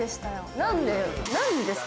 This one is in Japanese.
何でですか？